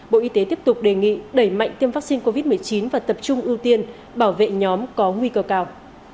bộ y tế tiếp tục đề nghị đẩy mạnh tiêm vaccine covid một mươi chín và tập trung ưu tiên bảo vệ nhóm có nguy cơ cao